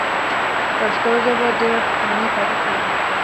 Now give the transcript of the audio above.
پښتو ژبه ډېر پخوانی تاریخ لري.